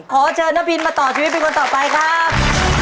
ขอเชิญนบินมาต่อชีวิตเป็นคนต่อไปครับ